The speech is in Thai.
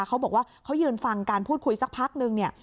เขาบอกว่าเขายืนฟังการพูดคุยสักพักนึงเนี่ย